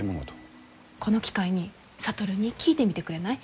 この機会に智に聞いてみてくれない？